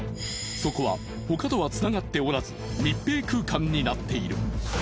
そこは他とはつながっておらず密閉空間になっている。